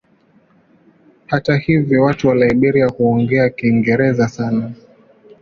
Hata hivyo watu wa Liberia huongea Kiingereza sana.